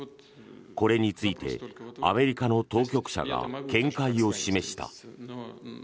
これについてアメリカの当局者が見解を示した。